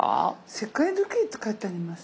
「世界時計」って書いてあります。